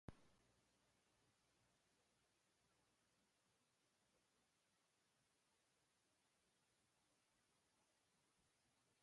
This could result in lower sales volumes and revenue for Norilsk Nickel.